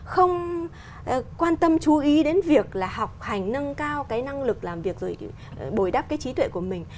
không quan tâm chú ý đến việc là học hành nâng cao cái năng lực làm việc rồi bồi đắp cái trí tuệ của mình